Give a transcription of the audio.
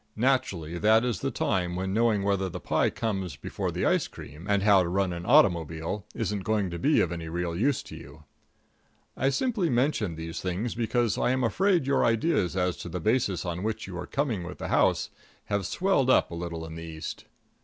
Naturally, that is the time when knowing whether the pie comes before the ice cream, and how to run an automobile isn't going to be of any real use to you. I simply mention these things because I am afraid your ideas as to the basis on which you are coming with the house have swelled up a little in the East.